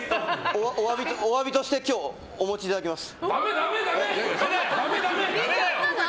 お詫びとして今日お持ちいただけます。